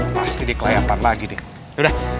pasti dikelayakan lagi nih